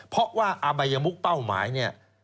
เพราะว่าอบัยมุกเป้าหมายเนี่ย